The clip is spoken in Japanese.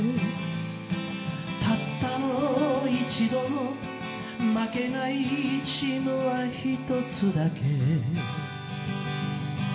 「たったの一度も負けないチームはひとつだけ」